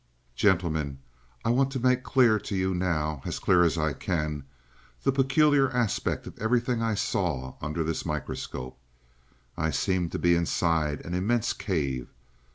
"Gentlemen, I want to make clear to you now as clear as I can the peculiar aspect of everything that I saw under this microscope. I seemed to be inside an immense cave.